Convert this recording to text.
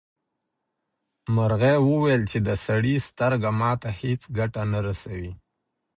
مرغۍ وویل چې د سړي سترګه ماته هیڅ ګټه نه رسوي.